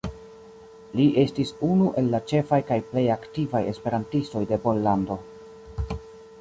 Li estis unu el la ĉefaj kaj plej aktivaj esperantistoj de Pollando.